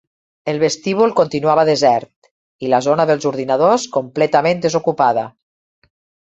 El vestíbul continuava desert, i la zona dels ordinadors, completament desocupada.